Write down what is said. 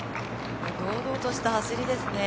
堂々とした走りですね。